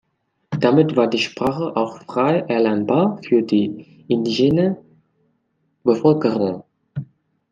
Damit war die Sprache auch frei erlernbar für die indigene Bevölkerung.